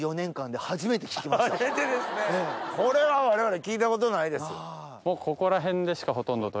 これは我々聞いたことないです。